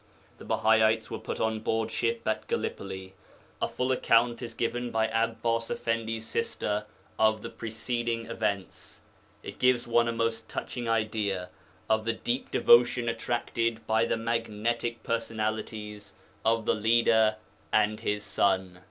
The Bahaites were put on board ship at Gallipoli. A full account is given by Abbas Effendi's sister of the preceding events. It gives one a most touching idea of the deep devotion attracted by the magnetic personalities of the Leader and his son.